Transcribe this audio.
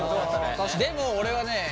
でも俺はね